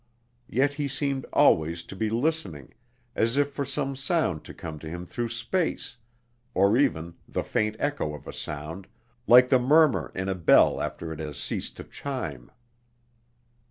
Yet he seemed always to be listening, as if for some sound to come to him through space, or even the faint echo of a sound, like the murmur in a bell after it has ceased to chime.